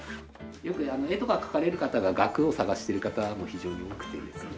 よく絵とか描かれる方が額を探してる方も非常に多くてですね。